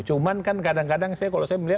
cuman kan kadang kadang saya kalau saya melihat